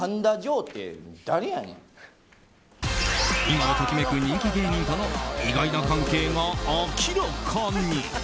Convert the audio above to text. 今を時めく人気芸人との意外な関係が明らかに！